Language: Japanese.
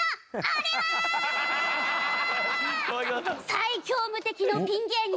最強無敵のピン芸人。